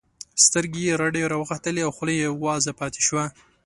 سترګې یې رډې راوختلې او خوله یې وازه پاتې شوه